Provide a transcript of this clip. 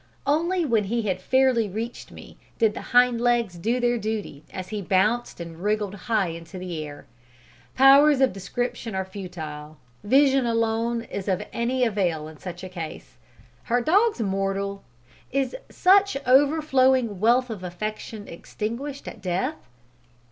Only when he had fairly reached me did the hind legs do their duty, as he bounced and wriggled high into air. Powers of description are futile; vision alone is of any avail in such a case. Are dogs mortal? Is such overflowing wealth of affection extinguished at death?